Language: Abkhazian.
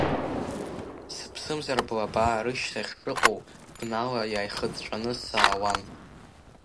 Сыԥсымзар блабаа рышьҭахь шыҟоу бнала иааихыҵәҵәаны саауан.